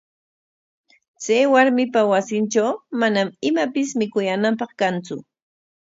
Chay warmipa wasintraw manam imapis mikuyaananpaq kantsu.